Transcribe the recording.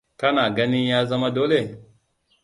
Kana ganin ya zama dole?